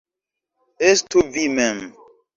Estu vi mem.